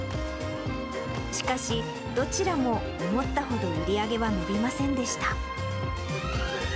しかし、どちらも思ったほど売り上げは伸びませんでした。